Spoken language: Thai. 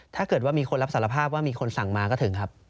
ถ้าเกิดว่ามีคนรับสารภาพว่ามีคนสั่งมาก็ถึงครับ